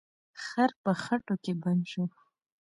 خر په خټو کې بند شو.